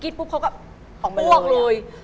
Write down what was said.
กินปุ๊บเขาก็ปวกเลย